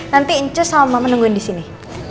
nanti ncus sama mama nungguin di sini